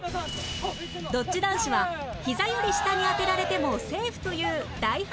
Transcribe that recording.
ドッジ男子はひざより下に当てられてもセーフという大ハンデを追加